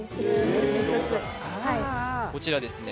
・ああこちらですね